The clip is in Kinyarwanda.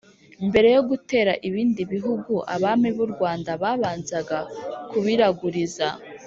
mbere yo gutera ibindi bihugu, abami b’u rwanda babanzaga kubiraguriza.